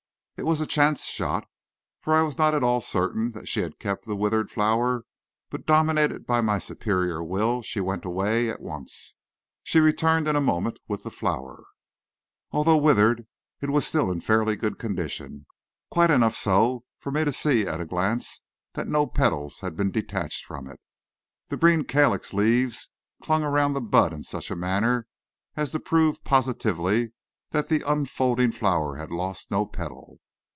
It was a chance shot, for I was not at all certain that she had kept the withered flower, but dominated by my superior will she went away at once. She returned in a moment with the flower. Although withered, it was still in fairly good condition; quite enough so for me to see at a glance that no petals had been detached from it. The green calyx leaves clung around the bud in such a manner as to prove positively that the unfolding flower had lost no petal.